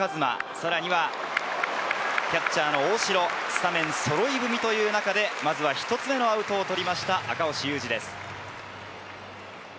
さらにはキャッチャーの大城、スタメンそろい踏みという中で１一つ目のアウトを取りました赤星優志です。